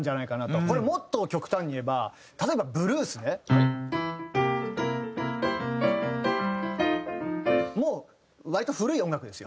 これもっと極端に言えば例えばブルースね。も割と古い音楽ですよ。